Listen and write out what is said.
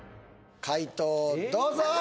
解答をどうぞ！